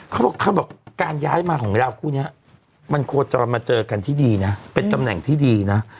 เขาบอกการย้ายมาของลาหูเนี่ยมันโคตรจะมาเจอกันที่ดีนะเป็นจำแหน่งที่ดีนะ